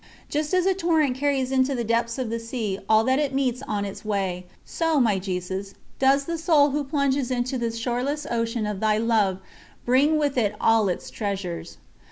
Just as a torrent carries into the depths of the sea all that it meets on its way, so, my Jesus, does the soul who plunges into the shoreless ocean of Thy Love bring with it all its treasures.